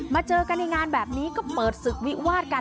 เจอกันในงานแบบนี้ก็เปิดศึกวิวาดกัน